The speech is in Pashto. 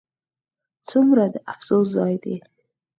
ځومره د افسوس ځاي دي